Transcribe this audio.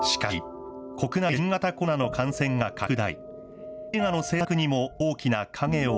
しかし、国内で新型コロナの感染が拡大。